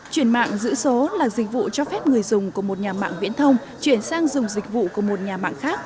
chuyển mạng giữ số là dịch vụ cho phép người dùng của một nhà mạng viễn thông chuyển sang dùng dịch vụ của một nhà mạng khác